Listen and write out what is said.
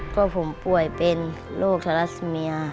ก็ผมป่วยเป็นโรคทารัสเมีย